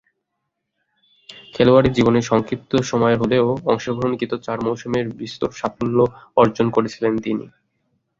খেলোয়াড়ী জীবন সংক্ষিপ্ত সময়ের হলেও অংশগ্রহণকৃত চার মৌসুমে বিস্তর সাফল্য অর্জন করেছিলেন তিনি।